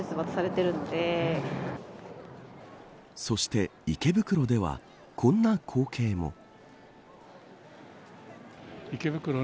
そして、池袋ではこんな光景も。